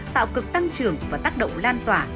tạo cực tăng trưởng và tác động lan toàn